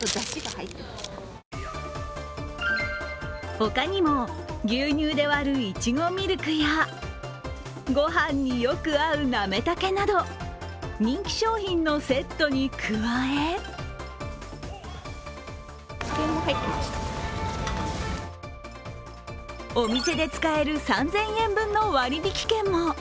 他にも、牛乳で割るいちごミルクやご飯によく合うなめたけなど、人気商品のセットに加えお店で使える３０００円分の割引券も。